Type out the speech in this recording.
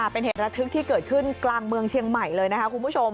เป็นเหตุระทึกที่เกิดขึ้นกลางเมืองเชียงใหม่เลยนะคะคุณผู้ชม